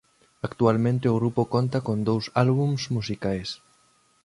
Actualmente o grupo conta con dous álbums musicais.